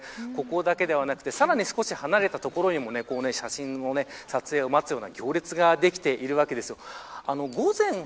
ここだけではなくてさらに少し離れた所にも写真を撮影を待つ行列ができているわけですよ。